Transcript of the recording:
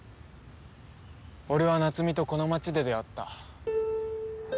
俺は夏美とこの街で出会った。